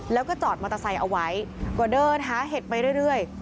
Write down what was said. แล้วก็จอดมอเตอร์ไซค์เอาไว้ก็เดินหาเห็ดไปเรื่อย